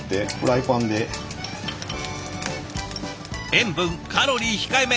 塩分カロリー控えめ。